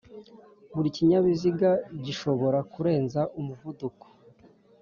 Buri kinyabiziga gishobora kurenza umuvuduko